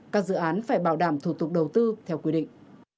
các dự án phải bảo đảm thủ tục đầu tư theo quy định